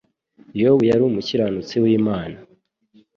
yobu yari umukiranutsi w'imana